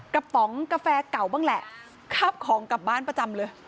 ป๋องกาแฟเก่าบ้างแหละคาบของกลับบ้านประจำเลย